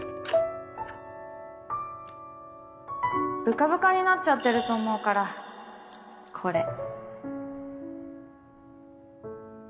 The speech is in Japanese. ぶかぶかになっちゃってると思うからこれ